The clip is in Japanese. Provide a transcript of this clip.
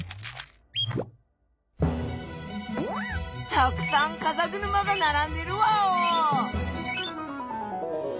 たくさんかざぐるまがならんでるワオー！